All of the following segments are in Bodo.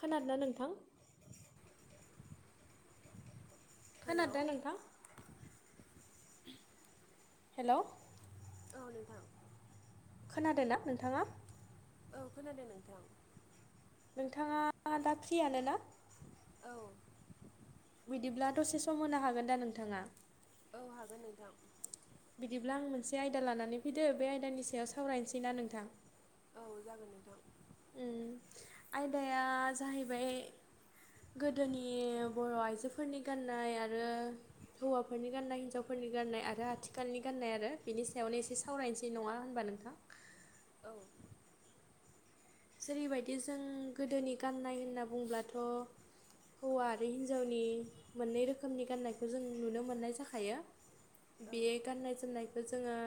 खोनादोंला नोंथां हेलौ खोनादों दाय औ नोंथां हेलौ औ नोंथां खोनादों नना नोंथाङा औ खोनादों नोंथां नोंथाङा दा फ्रियनोना औ बिदिब्ला दसे सम होनो हागोन दा नोंथाङा औ हागोन नोंथां बिदिब्ला आं मोनसे आयदा लानानै फैदो बे आयदानि सायाव सावरायनोसैना‌ नोंथां औ जागोन नोंथां आयदाया जाहैबाय गोदोनि बर आइजोफोरनि गाननाय आरो हौवाफोरनि गाननाय हिनजावखौ फोरफोरनि गाननाय आरो आथिखालनि गान्नाय आरो बिनि सायावनो एसे सावरायनोसै नङा होनबा नोंथां औ जेरैबायदि जों गोदोनि गाननाय होनना बुंङोब्लाथ हौवा आरो हिन्जावनि मोननै रोखोमनि गाननायखौ जों नुनो मोननाय जाखायो औ बे गाननाय जोमनायखौ जोंङो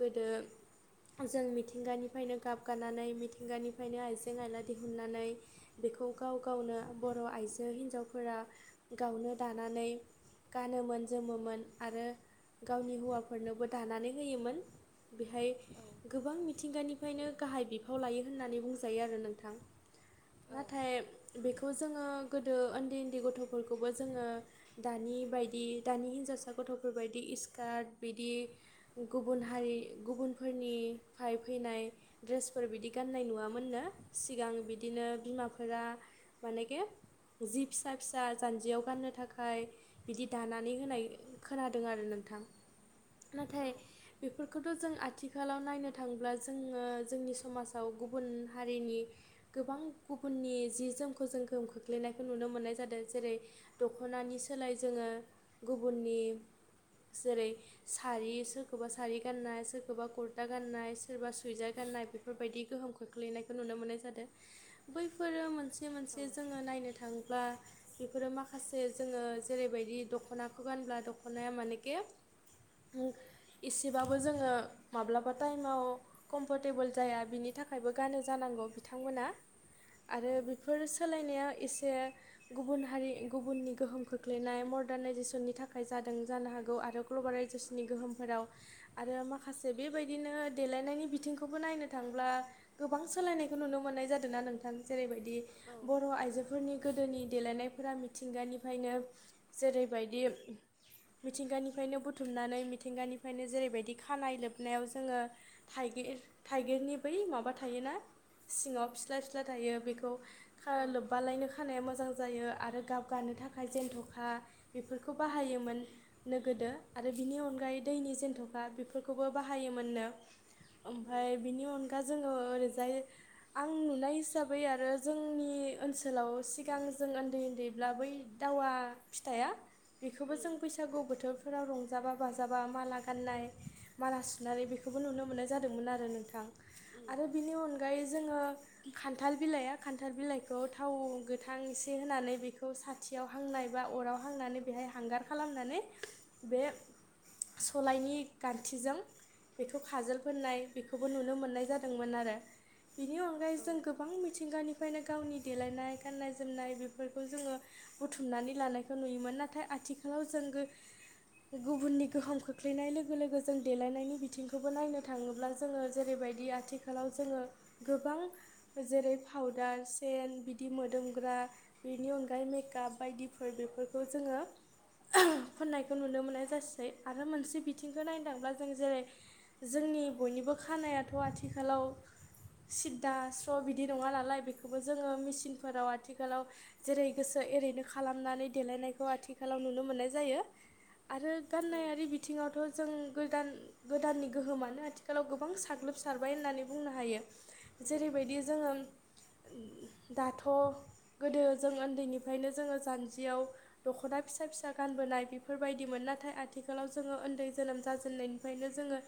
गोदो जों मिथिंगानिफ्रायनो गाबगानानै खथिंगानिफ्रायनो आइजें आइला दिहुननानै बेखौ गाव गावनो बर आइजो हिनजावफोरा गावनो दानानै गानोमोन जोमोमोन आरो गावनि हौवाफोरनोबो दानानै होयोमोन बेहाय औ गोबां मिथिंगानिफ्रायनो गाहाय बिफाव लायो होननानै बुंजायो आरो नोंथां औ नाथाय बेखौ जोंङो गोदो उन्दै उन्दै गथफोरखौबो जोङो दानि बायदि दानि हिनजावसा गथफोरबायायदि स्कार्ट बिदि गुबुन हारि गुबुनफोरनिफ्राय फैनाय दड्रेसफोर बिदि गाननाय नुवामोननो सिगां बिदिनो बिमाफोरा मानेखि जि फिसा फिसा जान्जियाव गाननो थाखाय बिदि दानानै होनाय खोनादों आरो नोंथां नाथाय बेफोरखौथ' जों आथिखालाव नायनो थांब्ला जोङो जोंनि समाजाव गुबुन हारिनि गोबां गुबुननि जि जोमखौ जों गोहोम खोख्लैनायखौ नुनो मोननाय जादों जेरै दख'नानि सोलाय जोङो गुबुननि जेरै सारि सोरखौबा सारि गान्नाय, सोरखौबा कुरथा गाननाय सोरबा सुइजार गाननाय बेफोरबायदि गोहोम खोख्लैनायखौ नुनो मोननाय जादों। बैफोरो मोनसे बे मोनसे जोङो नायनो थाङोब्ला बेफोरो माखासे जोङो जेरैबायदि दख'नाखौ गानब्ला दख'नाया मानेखे ओ एसेबाबो जोंङो माब्लाबा टाइमाव कमफरटेबोल जाया बिनि नि थाखायबो गानो जानांगौ बिथांमोना आरो बेफोर सोलायनाया एसे गुबुन हारि गुबुननि गोहोमखौ खख्लैनाय मर्दारनाइजेसननि थाखाय जादों जानो हागौ आरो ग्लबेलाायइजेसननि गोहोमफोराव आरो माखासे बेबायदिनो देलायनायनि बिथिंखौबो नायनो थांब्ला गोबां सोलायनायखौ नुनो मोन्नाय जादों ना नोंथां? जेरैबाय बिदि बर' औ आइजोफोरनि गोदोनि देलायनायफोरा मि मिथिंगानिफ्रायनो जेरैबायदि मिथिंगानिफ्रायनो बुथुमनानै मिथिंगानिफ्रायनो जेरैबायदि खानाय लोबनायाव जोङो थाइगि-थाइगिरनि बै माबा थायोना सिङाव फिस्ला फिस्ला थायो। बेखौ खानाय औ लोब्बालायनो खानाया मोजां जायो आरो गाब गानो थाखाय जन्थ'खा बेफोरखौ बाहायोमोन। नो गोदो आरो बिनि अनगायै दैनि जेनथ'खा बेफोरखौबो बाहायोमोननो। ओमफ्राय बिनि अनगा जोङो ओरैजाय आं नुनाय हिसाबै आरो जोंनि ओनसोलाव सिगां जों उन्दै उन्दैब्ला बै दावा फिथाइया बेखौबो जों बैसागु बोथोर फोराव रंजाबा बाजाबा माला गाननाय माला सुनानै बेखौबो नुनो मोननाय जादोंमोन आरो नोंथां। आरो बिनि अनगायै जोङो खान्थाल बिलाइया खान्थाल बिलाइखौ थाव गोथां एसे होनानै बेखौ साथियाव हांनाय बा अराव हांनानै बेहाय हांगार खालामनानै बे सलायनि गान्थिजों बेखौ खाजोल फोननाय बेखौबो नुनो मोननाय जा दोंमोन आरो। बिनि अनगायै जों गोबां मिथिंगानि बेखायनो गावनि देलायनाय गाननाय जोमनाय बेफोरखौ जोङो बुथुमनानै लानायखौ नुयोमोन। नाथाय आथिखालाव जों गुबुननि गोहोम खोख्लैनाय लोगो लोगो जों देलायनायनि बिथिंखौबो नायनो थाङोब्ला जोङो जेरैबायदि आथिखालाव जोङो गोबां जेरै फावदार, सेन बिदि मोदोमग्रा बेनि अनगायै मेकआप बायदिफोर बेफोरखौ जोङो फुननायखौ नुनो मोननाय जासै आरो मोनसे बिथिंखौ नायनो थांब्ला जों जेरै जोंनि बयनिबो खानायाथ' आथिखालाव सिददा स्र' बिदि नङा नालाय बेखौबो जोङो मेचिनफोराव आथिखालाव जेरै गोसो एरैनो खालामनानै देलायनायखौ आथिखालाव नुनो मोननाय जायो। आरो गाननायारि बिथिङावथ' जों गोदान गोदाननि गोहोमानो आथिखालाव गोबां साग्लोब सारबाय होननानै बुंनो हायो। उम औ उम जेरैबायदि जोङो दाथ' गोदो जों उन्दैनिफ्रायनो जोङो जानजियाव दख'ना फिसा फिसा गानबोनाय बेफोरबायदिमोन। नाथाय आथिखालाव जोङो उन्दै जोनोम जाजेननायनि फ्रायनो जोङो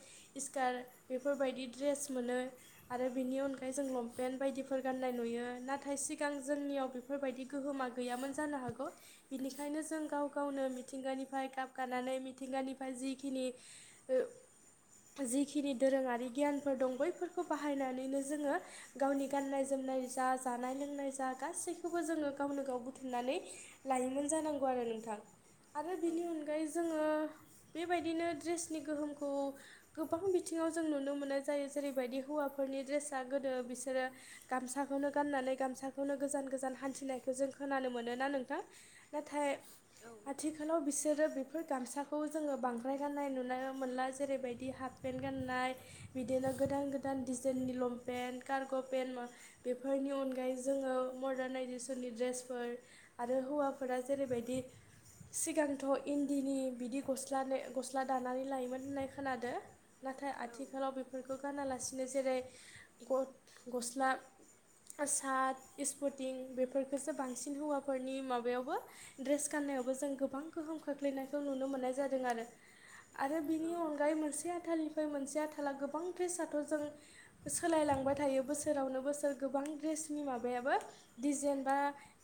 स्कार बेफोरबायदि ड्रेस मोनो। आरो बिनि अनगायै जों लंपेन्ट बायदिफोर गान्नाय नुयो। नाथाय सिगां जोंनियाव बेफोरबायदि गोहोमा गैयामोन जानो हागौ। बिनिखायनो जों गाव गावनो मिथिंगानिफ्राय गाबगानानै मिथिंगानिफ्राय जिखिनि ओ जिखिनि दोरोङारि गियानफोर दं बैफोरखौ बाहायनानैनो जोङो गावनि गाननाय जोमनाय जा जानाय लोंनाय जा गासैखौबो जोङो गावनो गाव बुथुमनानै लायोमोन जानांगौ आरो नोंथां आरो बिनि अनगायै जों ओ बेबायदिनो द्रेसनि गोहोमखौ गोबां बिथिङाव जों नुनो मोनो जायो जेरैबायदि हौवाफोरनि ड्रेसा गोदो बिसोरो गामसाखौनो गाननानै गामसाखौनो गोजान गोजान हान्थिनायखौ जों खोनानो मोनोना नोंथां। नाथाय औ औ आथिखालाव बिसोरो बे बेफोर गामसाखौ जोङो बांद्राय गाननाय नुनाय मोनला जेरैबायदि हाफ पेन्ट गाननाय बिदिनो गोदान गोदान डिजाइननि लंपेन्ट कारग' पेन्ट बेफोरनि अनगायै जोङो मदारनाजेसननि ड्रेसफोर आरो हौवाफोरा जेरैबायदि सिगांथ' इन्दिनि बिदि गस्ला ने गस्ला दानानै लायोमोन होननाय खोनादो। नाथाय औ आथिखालाव बेफोरखौ गानालासिनो जेरै ग-गस्ला आ साट इस्पुटिं बेफोरखोसो बांसिन हौवाफोरनि माबायावबो द्रेस गान्नायावबो जों गोबां गोहोम खोख्लैनायखौ नुनो मोननाय जादों आरो। आरो बिनि उम अनगायै मोनसे आथालनिफ्राय मोनसे आथाला गोबां द्रेसाथ'जों सोलायलांबाय थायो बोसोरावनो बोसोर गोबां ड्रेसनि माबायाबो डिजेइन बा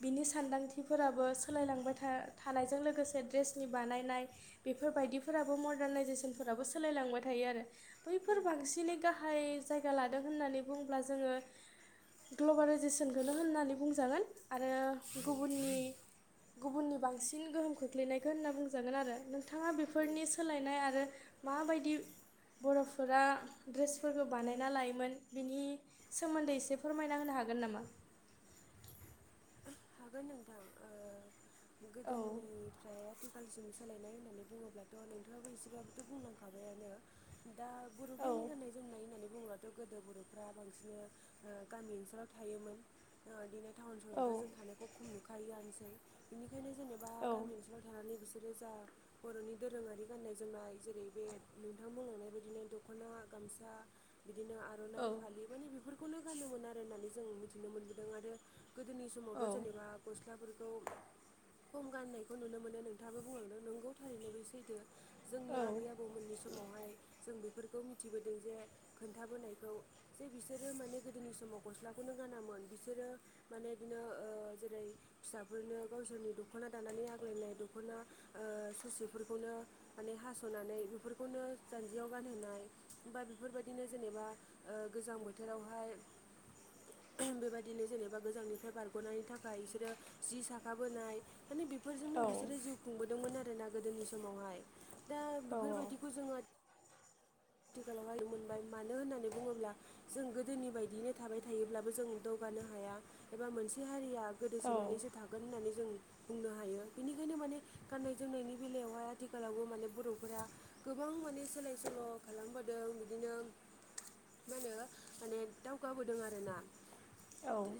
बिनि सानदांथिफोराबो सोलायलांबाय था-थानायजों लोगोसे ड्रेसनि बानायनाय बेफोरबायदिफोराबो मदार्नाइजेसनफोराबो सोलायलांबाय थायो आरो। बैफोर बांसिनै गाहाय जायगा लादों होननानै बुंब्ला जोङो ग्लबेलाइजेसनखोनो होननानै बुंजागोन आरो उम गुबुननि गुबुननि बांसिन गोहोम खोख्लैनायखो होनना बुंजागोन आरो नोंथाङा उम बेफोरनि सोलायनाय आरो माबायदि बर'फोरा ड्रेसफोरखौ बानायना लायोमोन बिनि सोमोन्दै एसे फोरमायना होनो हागोन नामा? हागोन नोंथां ओ औ गोदोनिफ्राय आथि खालसिम सोलायनाय होननानै बुङोब्लाथ' नोंथाङाबो एसेबाबोथ' बुंलांखाबायानो। दा औ बर'फोरनि गान्नाय जोमनाय होननानै बुंब्ला थ' गोदो बर'फ्रा बांसिन गामि ओनसोलाव थायोमोन। ओ दिनै टाउन औ सहरावथ' जों थानायखौ खम नुखायोआनोसै बिनिखायनो जेनेबा औ गामि ओनसोलाव थानानै बिसोरो जा बर'नि दोरोङारि गाननाय जोमनाय जेरै बे नोंथां बुंलांनाय बायदिनो दख'ना, गामसा, बिदिनो औ आर'नाइ फालि माने बिफोरखौनो गानोमोन आरो होननानै जों मिथिनो मोनबोदों आरो गोदोनि औ समावथ' जेनेबा गस्लाफोरखौ खम गाननायखौ नुनो मोनो नोंथाङाबो बुंलांदों नंगौ थारैनो बे सैथो। जोंनि औ आबै आबौमोननि समावहाय जों बेफोरखौ मिथिबोदों जे खोन्थाबोनायखौ जे बिसोरो माने गोदोनि समाव गस्लाखौनो गानामोन बिसोरो माने इदिनो ओ जेरै फिसाफोरनो गावसोरनि दख'ना दानानै आग्लायनाय दख'ना ओ ससेफोरखौनो माने हास'नानै बेफोरखौनो जान्जियाव गानहोनाय बा बेफोरबायदिनो जेनेबा ओ गोजां बोथोरावहाय बेबायदिनो जेने बा गोजांनिफ्राय बारग'नायनि थाखाय इसोरो जि साखाबोनाय माने बिफोरजोंनो औ बिसोरो जिउ खुंबोदोंमोन आरोना गोदोनि समावहाय। दा औ औ बिफोरबायदिखौ जोङो [inaudible] आथिखालावहाय मोनबाय मानो होननानै बुङोब्ला जों गोदोनि बायदियैनो थाबाय थायोब्लाबो जों दौगानो हाया। एबा मोनसे हारिया गोदोसोनानैसो थागोन होननानै जों बुंनो हायो। बिनिखायनो माने गाननाय जोमनायनि बेलायावहाय आथिखालावबो माने बर'फोरा गोबां माने सोलाय सोल' खालामबोदों बिदिनो मा होनो माने दावगाबोदों आरो ना।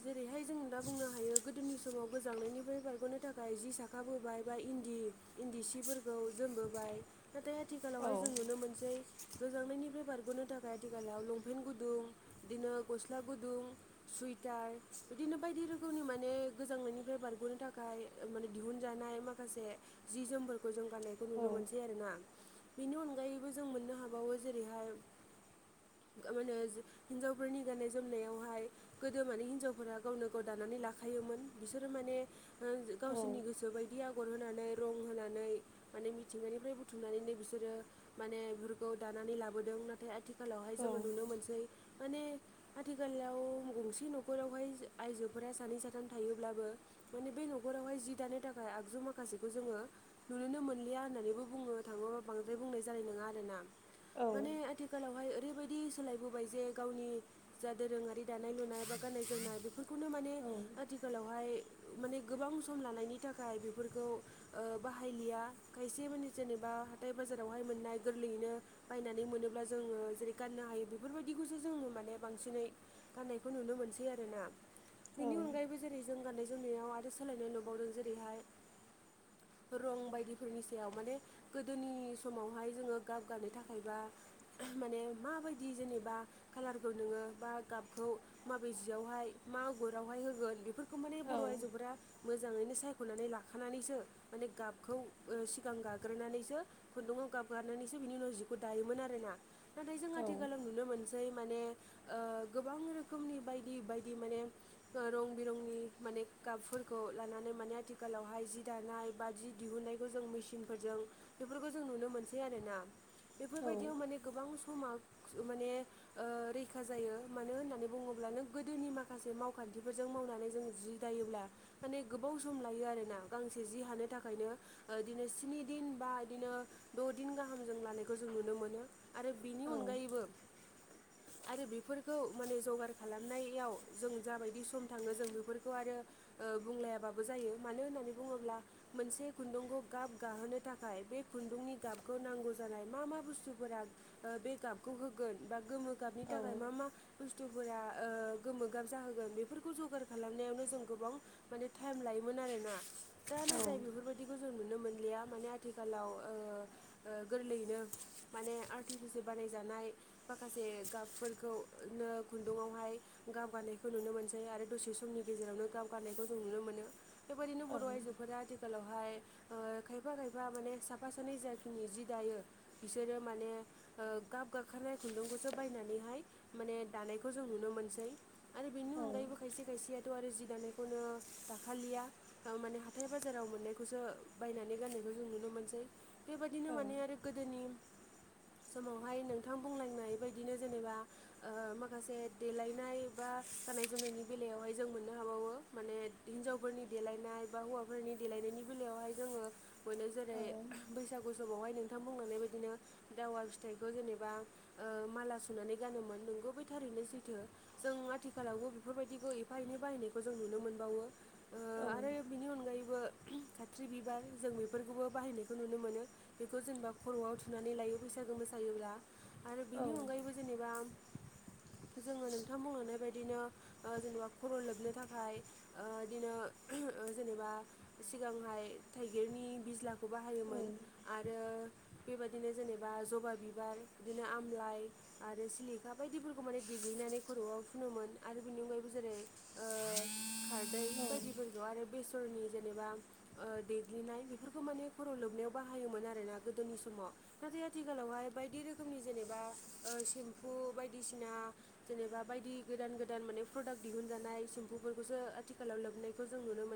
जेरैहाय जों दा बुंनो हायो गोदोनि समाव गोजांनायनिफ्राय बारग'नो थाखाय जि साखाबोबाय बा इन्दि इन्दि सिफोर खौ जोमबोबाय नाथाय आथिखालावहाय जों नुनो मोनसै गोजांनायनिफ्राय बारग'नो थाखाय आथिखालाव लंपेन्ट गुदुं बिदिनो गस्ला गुदुं सुइटार बिदिनो बायदि रोखोमनि माने गोजांनायनिफ्राय बारग'नो थाखाय माने दिहुनजानाय माखासे जि जोमफोरखौ जों गाननायखौ नुनो मोनसै आरोना। बेनि अनगायैबो जों मोननो हाबावो जेरैहाय गो माने हिनजावफोरनि गाननाय जोमनायावहाय गोदो माने हिनजाव फोरा गावनो गाव दानानै लाखायोमोन बिसोरो माने ओ गावसोरनि गोसो बायदि आगर होनानै रं होनानै माने मिथिंगानिफ्राय बुथुमनानैनो बिसोरो माने बिफोरखौ दानानै लाबोदों नाथाय आथि आथिखालावहाय जोङो नुनो मोनसै माने आथिखालाव गंसे न'खराव हाय आइजोफोरा सानै साथाम थायोब्लाबो माने बे न'खरावहाय जि दानो थाखाय आगजु माखासेखौ जोंङो नुनोनो मोनलिया होननानैबो बुङनो थाङोबा बांद्राय बुंनाय जानाय नङा आरोना माने आथिखाल आथिखालावहाय ओरैबायदि सोलायबोबाय जे गावनि जा दोरोङारि दानाय लुनाय बा गाननाय जोमनाय बेफोर बेखौनो माने आथिखालावहाय माने गोबां सम लानायनि थाखाय बेफोरखौ ओ बाहायलिया खायसे माने जेनेबा हाथाय बाजारावहाय मोननाय गोरलैयैनो बायनानै मोनोब्ला जोंङो जेरै गाननो हायो बेफोरबायदिखौसो जोंङो माने बांसिनै गाननायखौ नुनो मोनसै आरोना औ बेनि अनगायैबो जेरै जों गाननाय जोमनायाव आरो सोलायनाय नुबावदों जेरैहाय रं बायदिफोरनि सायाव माने गोदोनि समावहाय जोंङो गाबगानो थाखायबा माने माबायदि जेनेबा कालारखौ नोंङो बा गाबखौ ब्रैजियावहाय मा आगुरावहाय होगोन बेफोरखौ माने औ बर' औ आइजोफोरा मोजांङैनो सायख'नानै लाखानानैसो माने गाबखौ सिगां गाग्रोनानैसो खुन्दुंङाव गाबगारनानैसो बिनि न' जिखौ दायोमोन आरोना। नाथाय जों औ आथिखालाव नुनो मोनसै माने ओ गोबां रोखोमनि बायदि बायदि माने रं बिरंनि माने गाबफोरखौ लानानै माने आथिखालावहाय जि दानाय बा जि दिहुननायखौ जों मेसिनफोरजों बेफोरखौ जों नुनो मोनसै आरोना बेफोरबायदियाव माने गोबां समा माने ओ रैखा जायो मानो होननानै बुङोब्ला अब्ला नों गोदोनि माखासे मावखान्थिफोरजों मावनानै जों जि दायोब्ला माने गोबाव सम लायो आरोना गांसे जि हानो थाखायनो ओ बिदिनो स्नि दिन बा बिदिनो द'दिन गाहाम जों लानायखौ जों नुनो मोनो। आरो बिनि अनगायैबो आरो बेफोरखौ माने जगार खालामनायाव जों जाबायदि सम थांङो जों बेफोरखौ आरो बुंलायाबाबो जायो मानो होननानै बुङोब्ला मोनसे खुन्दुंखौ गाब गाहोनो थाखाय बे खुन्दुंनि गाबखौ नांगौ जानाय मा मा बुस्थुफोरा ओ बे गाबखौ होगोन बा गोमो गाबनि थाखाय मा मा बुस्थु बोला गोमोगाब जाहोगोन बेफोरखौ जगार खालामनायावनो जों गोबां माने टाइम लायोमोन आरोना दा नाथाय बेफोरबायदि बिदिखौ जों नुनो मोनलिया माने आथिखालाव ओ गोरलैयैनो माने आर्टिफिसियल बानायजानाय माखासे गाबफोरखौनो खुन्दुं आवहाय गाव गारनायखौ नुनो मोनसै आरो दसे समनि गेजेरावनो गाव गारनायखौ जों नुनो मोनो। बेबायदिनो औ बर' आइजोफोरा आथिखालावहाय ओ खायफा खायफा माने साफा सानै जाखिनि जि दायो बिसोरो माने ओ गाब गाखनाय खुन्दुंखौसो बायनानैहाय माने दानायखौ जों नुनो मोनसै आरो बेनि औ अनगायैबो खायसे खायसेयाथ' आरो जि दानायखौनो दाखालिया। माने हाथाय बाजाराव मोननायखौसो बायनानै गाननायखौ जों नुनो मोनसै बेबायादिनो माने आरो गोदोनि समावहाय नोंथां बुंलायनाय बायदिनो जेनेबा ओ माखासे देलायनाय बा गाननाय जोमनायनि बेलायावहाय जों मोननो हाबावो माने हिनजावफोरनि देलायनाय बा हौवाफोरनि देलायनायनि बेलायावहाय जोंङो मोनो जेरै बैसागु समावहाय नों- नोंथां बुंलांनाय बादिनो दावा फिथाइखौ जेनेबा माला सुनानै गानोमोन नोंगौ बिदि थारैनो सैथो जों आथिखालावबो बेफोरबायदिखौ एफा एनै बाहायनायखौ जों नुनो मोनबावो। ओ आरो बिनि अनगायैबो खाथ्रि बिबार जों बेफोरखौबो बाहायनायखौ नुनो मोनो। बेखौ जेनेबा खरआव थुनानै लायो बैसागो मोसायोब्ला आरो औ बेनि अनगायैबो जेनेबा जोंङो नोंथां बुंलांनाय बायदिनो जेनेबा खर लोबनो थाखाय ओ बिदिनो जेनेबा सिगांहाय थाइगिरनि बिज्ला खौ बाहायोमोन। आरो बेबायदिनो जेनेबा जबा बिबार बिदिनो आमलाइ आरो सिलिखा बायदि [unintelligible] माने देग्लिनानै खरआव फुनोमोन आरो बिनि अनगायैबो जेरै, ओ खारदै औ औ बायदिफोरखौ आरो बेसरनि जेनेबा देग्लिनाय बेफोरखौ माने खर लोबनायाव बाहायोमोन आरोना गोदोनि समाव। नाथाय आथिखालावहाय बायदि रोखोमनि जेनेबा सेम्फु बायदिसिना जेनेबा बायदि गोदान गोदान माने प्रडाक्ट दिहुनजानाय सेम्पुफोरखौसो आथिखालाव लोबनायखौ जों नुनो मोनो।